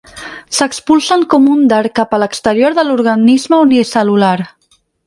S'expulsen com un dard cap a l'exterior de l'organisme unicel·lular.